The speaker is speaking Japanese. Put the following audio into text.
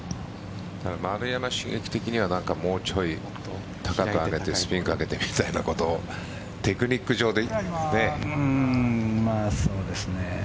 丸山茂樹的にはもうちょい高く上げてスピンをかけてみたいなことをテクニック上で。